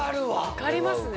受かりますね。